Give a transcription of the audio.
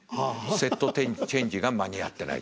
セットチェンジが間に合ってない。